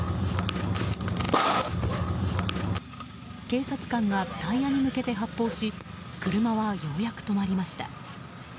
警察官がタイヤに向けて発砲し車はようやく止まりました。